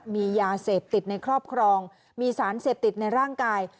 มียาเสพติดในครอบครองมีสารเสพติดในร่างกาย